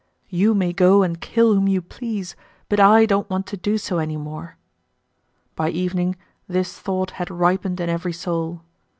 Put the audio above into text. You may go and kill whom you please, but I don't want to do so any more!" By evening this thought had ripened in every soul.